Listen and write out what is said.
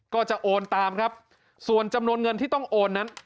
ก็จะโอนตามครับส่วนจำนวนเงินที่ต้องโอนนั้น